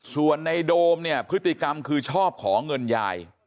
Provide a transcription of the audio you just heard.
ส่วนในโดมเนี่ยพฤติกรรมคือชอบขอเงินยาย